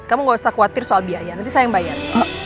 kamu gak usah khawatir soal biaya nanti saya yang bayar